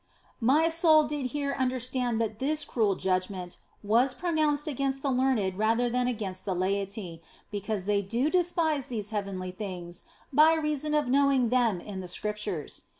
My soul did here understand that this cruel judgment was pronounced against the learned rather than against the laity, because they do despise these heavenly things by reason of knowing them in the Scriptures.